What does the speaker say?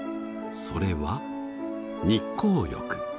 それは日光浴。